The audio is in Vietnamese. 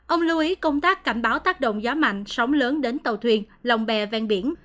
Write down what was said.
ông lưu ý công tác cảnh báo tác động gió mạnh sóng lớn đến tàu thuyền lồng bè ven biển